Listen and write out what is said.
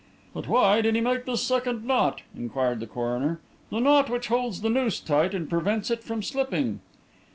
"But why did he make this second knot?" inquired the coroner; "the knot which holds the noose tight and prevents it from slipping?"